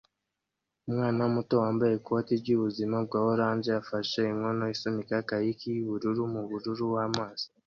Umwana muto wambaye ikoti ryubuzima bwa orange afashe inkono isunika kayaki yubururu mumubiri wamazi